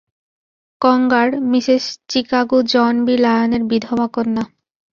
কংগার, Mrs Chicago John B লায়নের বিধবা কন্যা।